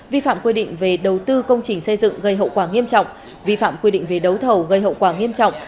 vi phạm quy định về đầu tư công trình xây dựng gây hậu quả nghiêm trọng vi phạm quy định về đấu thầu gây hậu quả nghiêm trọng